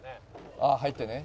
「ああ入ってね」